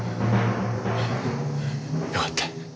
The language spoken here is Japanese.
よかった。